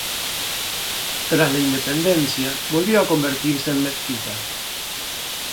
Tras la independencia, volvió a convertirse en mezquita.